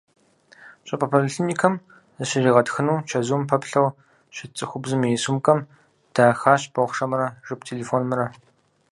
ЩӀыпӀэ поликлиникэм зыщригъэтхыну чэзум пэплъэу щыт цӏыхубзым и сумкӀэм дахащ бохъшэмрэ жып телефонымрэ.